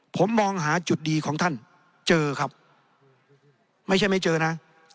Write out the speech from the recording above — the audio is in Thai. ผมมองหาจุดดีของท่านเจอครับไม่ใช่ไม่เจอนะ